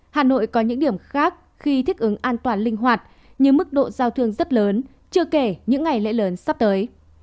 hà nội có những điểm khác khi thích ứng an toàn linh hoạt như mức độ giao thương rất lớn chưa kể những ngày lễ lớn sắp tới